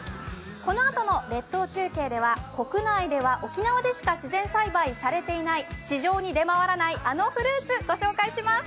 このあとの列島中継では国内では沖縄でしか自然栽培されていない、市場に出回らないあのフルーツ、御紹介します。